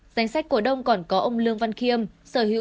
danh sách cổ đông còn có ông lương văn khiêm sở hữu một mươi